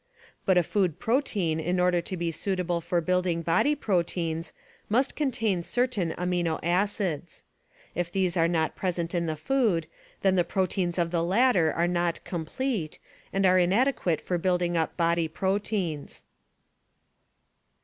But a food protein in order to he suitable for building body proteins, must contain certain amino acids. If these are not present in the food, then the proteins of the latter are not "complete" and are inadequate for building up body proteins.